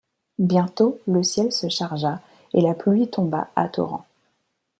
Bientôt le ciel se chargea et la pluie tomba à torrents.